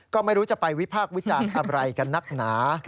ก็ไม่รู้จะไปวิพากษ์วิจารณ์อะไรกันนักหนา